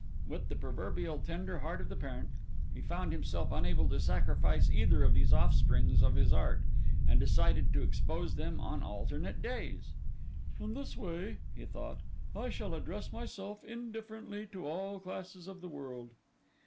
With the proverbially tender heart of the parent, he found himself unable to sacrifice either of these offsprings of his art; and decided to expose them on alternate days. 'In this way,' he thought, 'I shall address myself indifferently to all classes of the world.